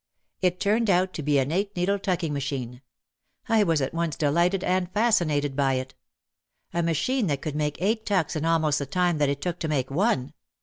It turned out to be an eight OUT OF THE SHADOW 289 needle tucking machine. I was at once delighted and fascinated by it. A machine that could make eight tucks in almost the time that it took to make one